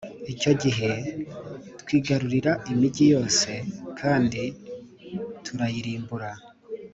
icyo gihe twigarurira imigi ye yose kandi turayirimbura,+